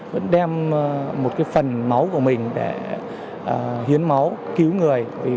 vẫn đem một phần máu của mình để hiến máu cứu người